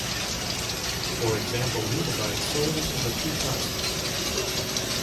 For example, he divides souls into three classes.